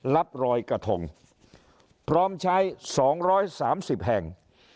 รับรอยกระทงพร้อมใช้๒๓๐แห่ง